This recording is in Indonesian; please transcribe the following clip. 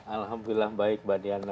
alhamdulillah baik mbak diana